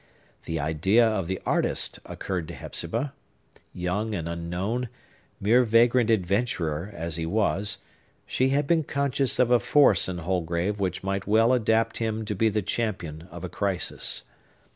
The idea of the artist occurred to Hepzibah. Young and unknown, mere vagrant adventurer as he was, she had been conscious of a force in Holgrave which might well adapt him to be the champion of a crisis.